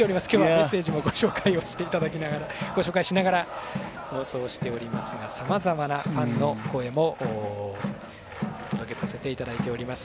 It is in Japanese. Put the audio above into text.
メッセージもご紹介しながら放送していますがさまざまなファンの声もお届けさせていただいております。